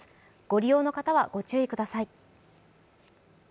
ご利用の方はご注意ください。